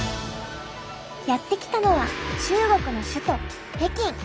やって来たのは中国の首都北京。